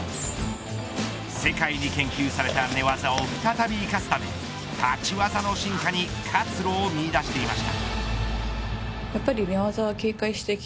世界に研究された寝技を再び生かすため立ち技の進化に活路を見いだしていました。